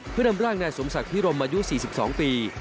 เพื่อนำร่างนายสมศักดิ์พิรมอายุ๔๒ปี